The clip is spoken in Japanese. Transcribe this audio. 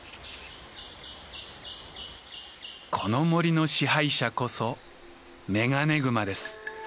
この森の支配者こそメガネグマです。